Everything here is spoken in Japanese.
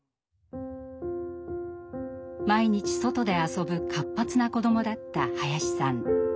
毎日外で遊ぶ活発な子どもだった林さん。